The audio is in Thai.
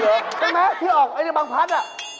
ใช่ไหมครับที่ออกไอ้นิงบังพัฒน์